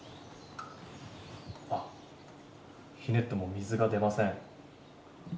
ひねっても水が出ません。